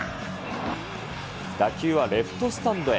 打球はレフトスタンドへ。